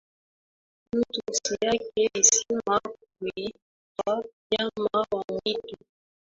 Mtu si yake hisima, kuitwa nyama wa mwitu.